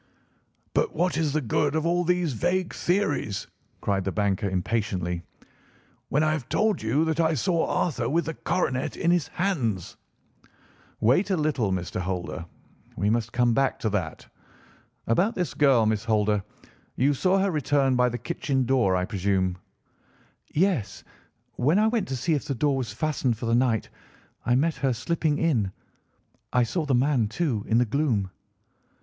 "But what is the good of all these vague theories," cried the banker impatiently, "when I have told you that I saw Arthur with the coronet in his hands?" "Wait a little, Mr. Holder. We must come back to that. About this girl, Miss Holder. You saw her return by the kitchen door, I presume?" "Yes; when I went to see if the door was fastened for the night I met her slipping in. I saw the man, too, in the gloom."